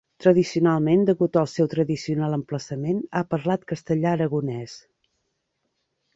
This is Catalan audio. Tradicionalment degut al seu tradicional emplaçament ha parlat castellà-aragonès.